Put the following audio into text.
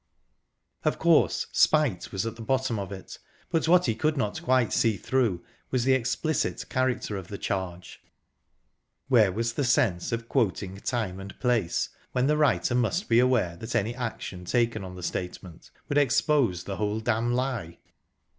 Of course, spite was at the bottom of it. But what he could not quite see through was the explicit character of the charge. Where was the sense of quoting time and place, when the writer must be aware that any action taken on the statement would expose the whole damned lie?